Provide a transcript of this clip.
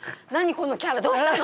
このキャラどうしたの？